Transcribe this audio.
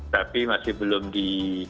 tapi masih belum di